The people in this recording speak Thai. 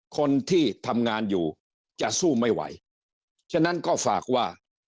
คนที่ทำงานอยู่จะสู้ไม่ไหวฉะนั้นก็ฝากว่า